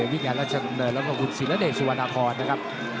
วิทยาลักษณ์ดำเนินแล้วก็คุณศิลาเดชวนครนะครับ